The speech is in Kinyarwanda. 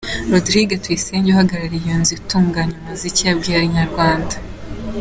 Rodrigue Tuyisenge uhagarariye iyo nzu itunganya umuziki yabwiye Inyarwanda.